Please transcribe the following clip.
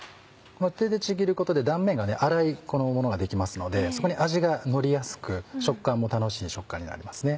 手でちぎることで断面が粗いものができますのでそこに味がのりやすく食感も楽しい食感になりますね。